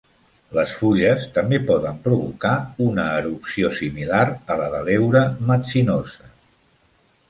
Les fulles també poden provocar una erupció similar a la de l'heura metzinosa.